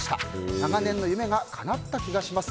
長年の夢がかなった気がします。